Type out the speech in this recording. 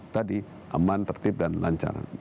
tadi aman tertib dan lancar